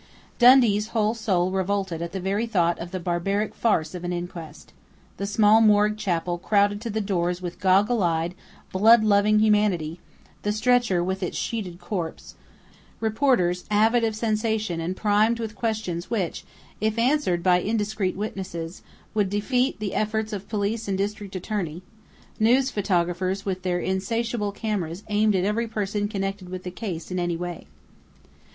Dundee's whole soul revolted at the very thought of the barbaric farce of an inquest the small morgue chapel crowded to the doors with goggle eyed, blood loving humanity; the stretcher with its sheeted corpse; reporters avid of sensation and primed with questions which, if answered by indiscreet witnesses, would defeat the efforts of police and district attorney; news photographers with their insatiable cameras aimed at every person connected with the case in any way.